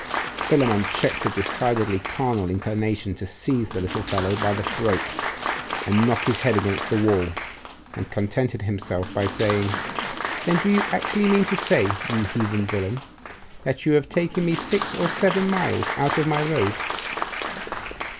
Philammon checked a decidedly carnal inclination to seize the little fellow by the throat, and knock his head against the wall, and contented himself by saying 'Then do you actually mean to say, you heathen villain, that you have taken me six or seven miles out of my road?